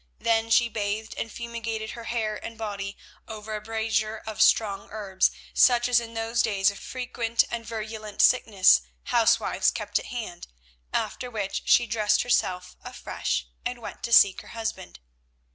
Then she bathed and fumigated her hair and body over a brazier of strong herbs, such as in those days of frequent and virulent sickness housewives kept at hand, after which she dressed herself afresh and went to seek her husband.